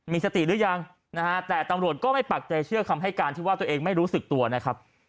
มีสติหรือยังนะฮะแต่ตำรวจก็ไม่ปักใจเชื่อคำให้การที่ว่าตัวเองไม่รู้สึกตัวนะครับ